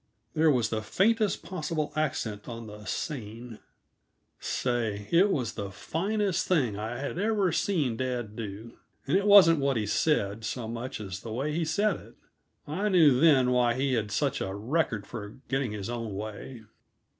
There was the faintest possible accent on the sane. Say, it was the finest thing I had ever seen dad do. And it wasn't what he said, so much as the way he said it. I knew then why he had such, a record for getting his own way.